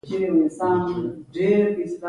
• د سهار د لمر زرینې وړانګې د امید نښه ده.